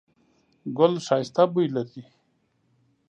ګل ښایسته بوی لري